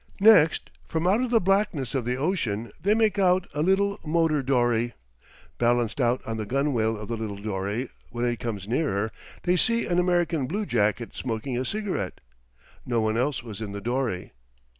Next, from out of the blackness of the ocean they make out a little motor dory. Balanced out on the gunwale of the little dory, when it comes nearer, they see an American bluejacket smoking a cigarette. No one else was in the dory.